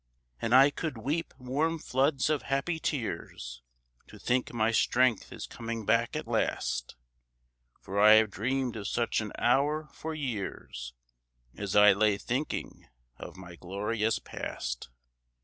"And I could weep warm floods of happy tears To think my strength is coming back at last, For I have dreamed of such an hour for years, As I lay thinking of my glorious past.